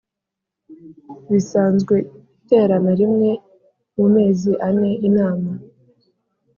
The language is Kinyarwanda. Bisanzwe iterana rimwe mu mezi ane inama